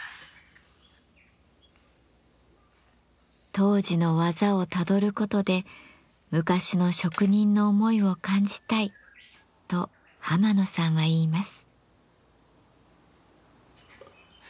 「当時の技をたどることで昔の職人の思いを感じたい」と浜野さんは言います。